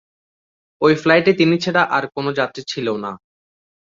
ওই ফ্লাইটে তিনি ছাড়া আর কোনো যাত্রী ছিল না।